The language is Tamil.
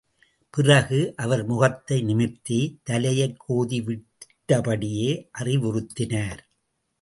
பிறகு, அவர் முகத்தை நிமிர்த்தி, தலையைக் கோதிவிட்டபடியே அறிவுறுத்தினார்.